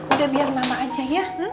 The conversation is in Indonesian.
udah biar mama aja ya